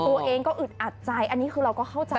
ตัวเองก็อึดอัดใจอันนี้คือเราก็เข้าใจ